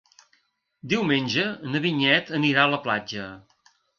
Diumenge na Vinyet anirà a la platja.